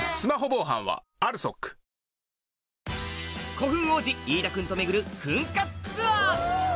古墳王子飯田君と巡る墳活ツアー！